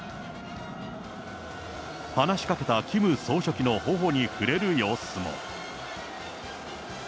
話しかけたキム総書記のほおに触れる様子も。